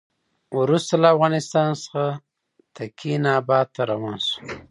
وروسته له افغانستان څخه تکیناباد ته روان شو.